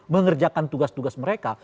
mengerjakan tugas tugas mereka